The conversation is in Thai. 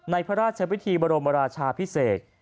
พระราชวิธีบรมราชาพิเศษ